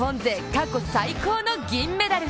過去最高の銀メダル。